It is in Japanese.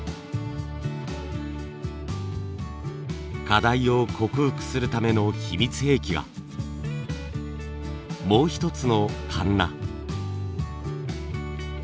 課題を克服するための秘密兵器がもう一つのカンナ。